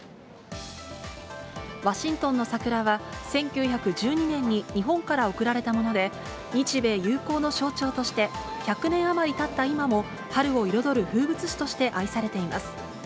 ワシントンの桜は、１９１２年に日本から贈られたもので、日米友好の象徴として、１００年余りたった今も、春を彩る風物詩として愛されています。